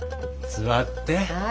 座って。